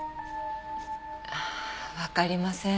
ああわかりません。